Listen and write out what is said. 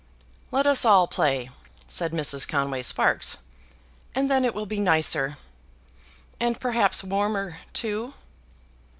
"Let us all play," said Mrs. Conway Sparkes, "and then it will be nicer, and perhaps warmer, too."